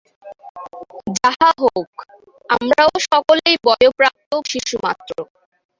যাহা হউক, আমরাও সকলেই বয়ঃপ্রাপ্ত শিশুমাত্র।